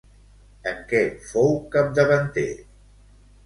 En què fou capdavanter?